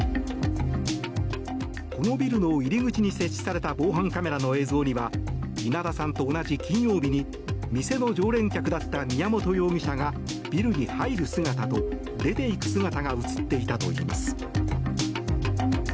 このビルの入り口に設置された防犯カメラの映像には稲田さんと同じ金曜日に店の常連客だった宮本容疑者がビルに入る姿と出ていく姿が映っていたといいます。